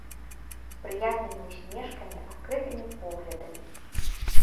З прыязнымі ўсмешкамі, адкрытымі поглядамі.